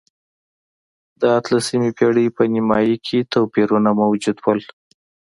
د اتلسمې پېړۍ په نییمایي کې توپیرونه موجود و.